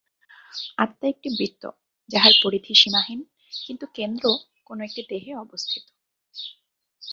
আত্মা একটি বৃত্ত, যাহার পরিধি সীমাহীন, কিন্তু কেন্দ্র কোন একটি দেহে অবস্থিত।